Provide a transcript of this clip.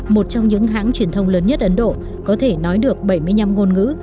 một trong những hãng truyền thông lớn nhất ấn độ có thể nói được bảy mươi năm ngôn ngữ